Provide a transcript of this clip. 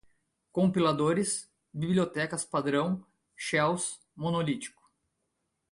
compiladores, bibliotecas-padrão, shells, monolítico